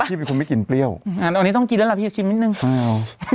พี่มีคนไม่กินเปรี้ยวอ่าอันนี้ต้องกินแล้วล่ะพี่ชิมนิดหนึ่งไม่เอา